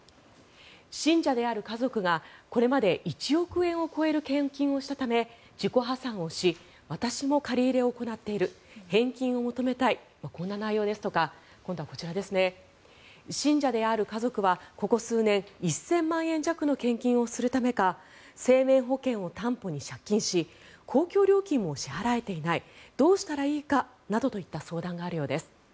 信者である家族がこれまで１億円を超える献金をしたため自己破産をし私も借り入れを行っている返金を求めたいこんな内容ですとか今度はこちら信者である家族はここ数年１０００万円弱の献金をするためか生命保険を担保に借金し公共料金も支払えていないどうしたらいいかなどといった相談があるようです。